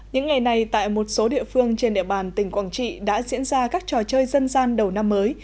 những ngày này tại một số địa phương trên địa bàn tỉnh quảng trị đã diễn ra các trò chơi dân gian đầu năm mới